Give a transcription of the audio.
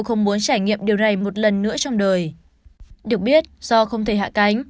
không muốn trải nghiệm điều này một lần nữa trong đời được biết do không thể hạ cánh